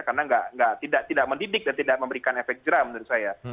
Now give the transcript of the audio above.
karena tidak mendidik dan tidak memberikan efek jerah menurut saya